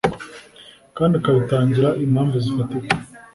kandi akabitangira impamvu zifatika